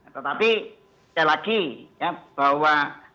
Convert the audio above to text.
tetapi sekali lagi ya bahwa